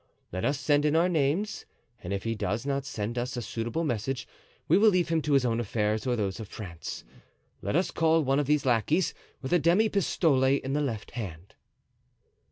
Let us send in our names, and if he does not send us a suitable message we will leave him to his own affairs or those of France. Let us call one of these lackeys, with a demi pistole in the left hand."